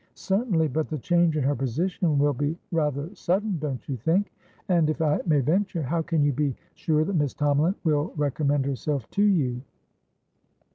"Certainly. But the change in her position will be rather sudden, don't you think? Andif I may venturehow can you be sure that Miss Tomalin will recommend herself to you?"